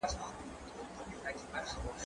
کېدای سي بوټونه ګنده وي،